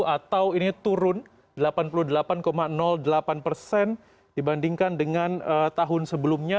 atau ini turun delapan puluh delapan delapan persen dibandingkan dengan tahun sebelumnya